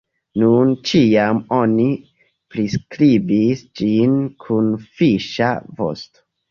Nune, ĉiam oni priskribis ĝin kun fiŝa vosto.